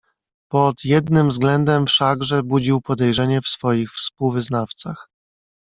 "Pod jednym względem wszakże budził podejrzenie w swoich współwyznawcach."